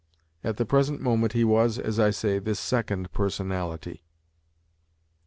At the present moment he was, as I say, this second personality.